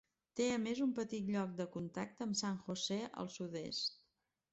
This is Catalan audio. Té a més un petit lloc de contacte amb San José al sud-est.